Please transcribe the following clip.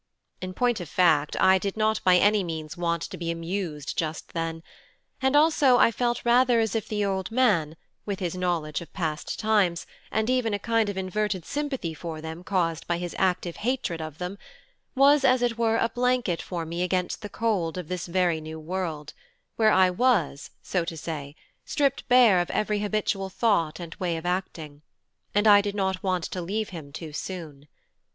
In point of fact, I did not by any means want to be 'amused' just then; and also I rather felt as if the old man, with his knowledge of past times, and even a kind of inverted sympathy for them caused by his active hatred of them, was as it were a blanket for me against the cold of this very new world, where I was, so to say, stripped bare of every habitual thought and way of acting; and I did not want to leave him too soon.